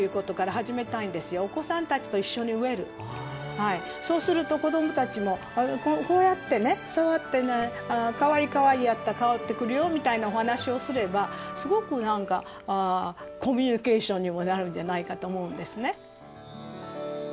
はいそうすると子供たちもこうやってね触ってかわいいかわいいやったら香ってくるよみたいなお話をすればすごく何かコミュニケーションにもなるんじゃないかと思うんですね。